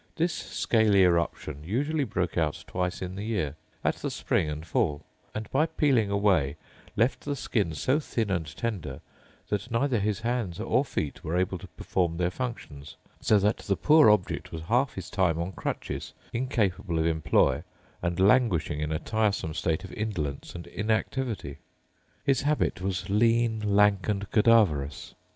This scaly eruption usually broke out twice in the year, at the spring and fall; and, by peeling away, left the skin so thin and tender that neither his hands or feet were able to perform their functions; so that the poor object was half his time on crutches, incapable of employ, and languishing in a tiresome state of indolence and inactivity. His habit was lean, lank, and cadaverous.